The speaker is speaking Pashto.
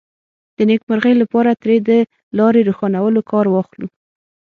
د نېکمرغۍ لپاره ترې د لارې روښانولو کار واخلو.